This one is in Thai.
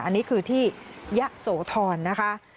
อันนี้คือที่ยะโสธรนะคะ